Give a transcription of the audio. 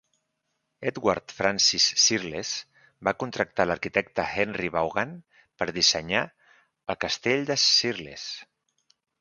Edward Francis Searles va contractar l'arquitecte Henry Vaughan per dissenyar el castell de Searles.